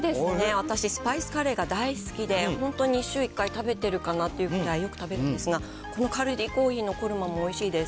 私、スパイスカレーが大好きで、本当に週１回食べてるかなというくらい、よく食べるんですが、このカルディコーヒーのコルマもおいしいです。